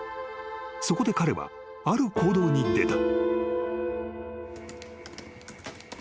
［そこで彼はある行動に出た］